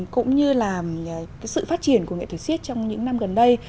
cũng như là sự phát triển của nghệ thuật siết trong những năm gần đây